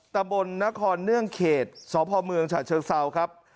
ตะบลนครเนื่องเขตชพเชศเชิกเซาครับ